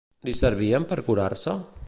Li servien per curar-se?